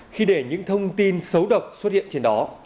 khi để những thông tin xấu độc xuất hiện trên đó